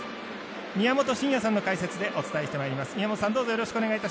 宮本慎也さんの解説でお伝えしてまいります。